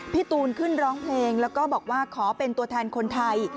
พี่ตูนขึ้นร้องเพลงแล้วก็บอกว่าขอเป็นตัวแทนคนไทย